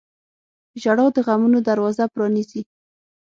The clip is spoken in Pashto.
• ژړا د غمونو دروازه پرانیزي.